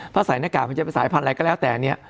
ถ้าใส่หน้ากากมันจะเป็นสายพันธุ์อะไรก็แล้วแต่เนี่ย